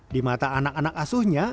di mata anak anak asuhnya